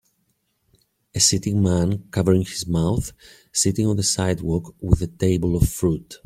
A sitting man covering his mouth, sitting on the sidewalk with a table of fruit.